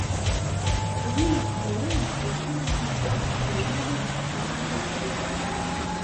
У выніку яўрэі пайшлі на хітрасць і памянялі назву каманды.